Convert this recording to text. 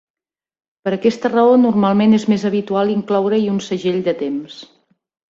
Per aquesta raó, normalment és mes habitual incloure-hi un segell de temps.